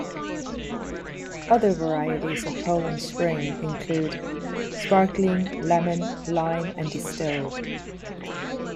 Other varieties of Poland Spring include sparkling, lemon, lime, and distilled.